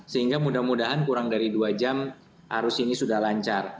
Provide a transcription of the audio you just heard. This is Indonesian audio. sehingga mudah mudahan kurang dari dua jam arus ini sudah lancar